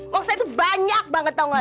uang saya itu banyak banget tahu nggak sih